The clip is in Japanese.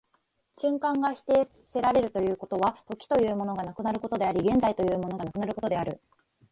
瞬間が否定せられるということは、時というものがなくなることであり、現在というものがなくなることである。